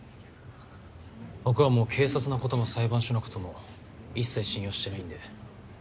僕はもう警察のことも裁判所のことも一切信用してないんで。